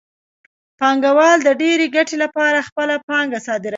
پانګوال د ډېرې ګټې لپاره خپله پانګه صادروي